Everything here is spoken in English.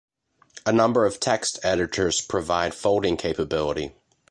A number of text editors provide folding capability.